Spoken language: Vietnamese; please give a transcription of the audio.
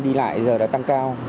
đi lại giờ đã tăng cao